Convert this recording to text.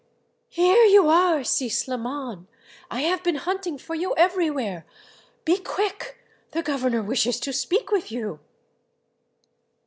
" Here you are, Si SHman !— I have been hunt ing for you everywhere. Be quick ! The governor wishes to speak with you."